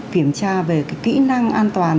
kiểm tra về kỹ năng an toàn